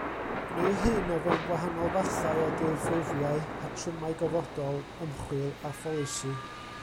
Gwneir hyn o fewn gwahanol fathau o dirffurfiau, patrymau gofodol, ymchwil a pholisi.